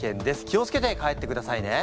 気を付けて帰ってくださいね。